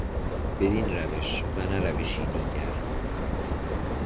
بدین روش و نه روشی دیگر